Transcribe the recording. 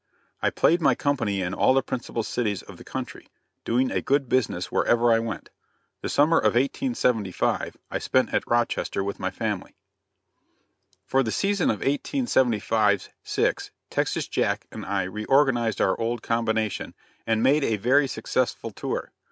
I played my company in all the principal cities of the country, doing a good business wherever I went. The summer of 1875 I spent at Rochester with my family. For the season of 1875 6, Texas Jack and I reorganized our old Combination, and made a very successful tour.